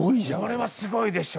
これはすごいでしょ。